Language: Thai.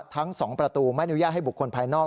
ทั้ง๒ประตูไม่อนุญาตให้บุคคลภายนอก